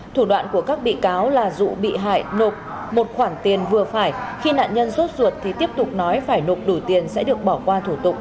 thủ đoạn của các bị cáo là dụ bị hại nộp một khoản tiền vừa phải khi nạn nhân rốt ruột thì tiếp tục nói phải nộp đủ tiền sẽ được bỏ qua thủ tục